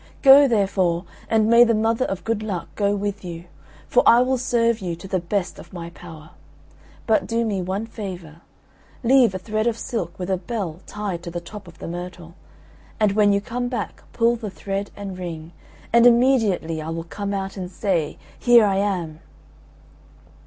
Go, therefore, and may the mother of good luck go with you, for I will serve you to the best of my power. But do me one favour; leave a thread of silk with a bell tied to the top of the myrtle, and when you come back pull the thread and ring, and immediately I will come out and say, Here I am.'"